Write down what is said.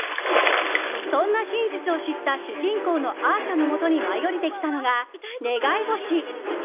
そんな真実を知った主人公のアーシャのもとに舞い降りてきたのが、願い星。